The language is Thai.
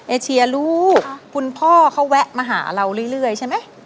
เอเชียลูกคุณพ่อเขาแวะมาหาเราเรื่อยใช่ไหม